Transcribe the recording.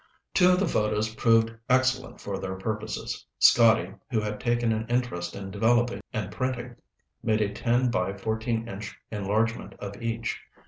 Two of the photos proved excellent for their purposes. Scotty, who had taken an interest in developing and printing, made a 10 by 14 inch enlargement of each.